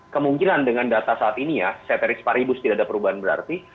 kemungkinan dengan data saat ini ya setrix paribus tidak ada perubahan berarti